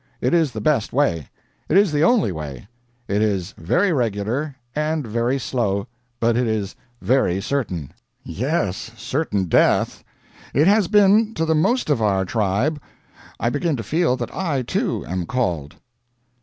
It is the best way. It is the only way. It is very regular, and very slow, but it is very certain." "Yes, certain death. It has been, to the most of our tribe. I begin to feel that I, too, am called.